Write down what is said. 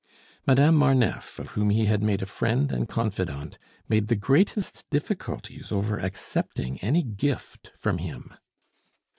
Madame Marneffe, of whom he had made a friend and confidante, made the greatest difficulties over accepting any gift from him.